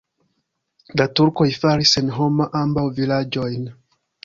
La turkoj faris senhoma ambaŭ vilaĝojn.